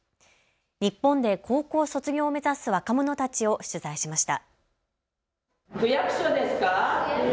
日本で高校卒業を目指す若者たちを取材しました。